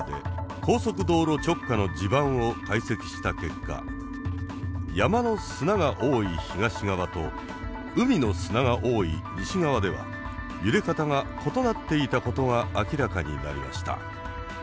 高速道路直下の地盤を解析した結果山の砂が多い東側と海の砂が多い西側では揺れ方が異なっていたことが明らかになりました。